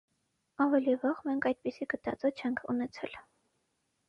Ավելի վաղ մենք այդպիսի գտածո չենք ունեցել։